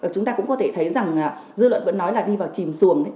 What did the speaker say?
chúng ta cũng có thể thấy rằng dư luận vẫn nói là đi vào chìm xuồng